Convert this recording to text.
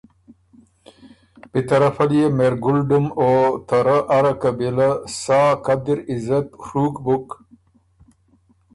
بی طرفه ليې مهرګل ډُم او ته رۀ اره قبیلۀ سا قدر عزت ڒُوک بُک